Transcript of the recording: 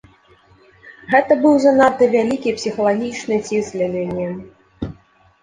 Гэта быў занадта вялікі псіхалагічны ціск для мяне.